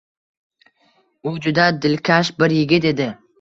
U juda dilkash bir yigit edi